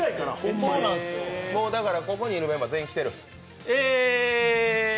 ここにいるメンバー全員来てる？